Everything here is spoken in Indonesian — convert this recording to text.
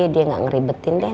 dia gak ngeribetin deh